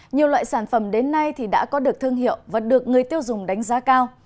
nhiều loại sản phẩm đến nay đã có được thương hiệu và được người tiêu dùng đánh giá cao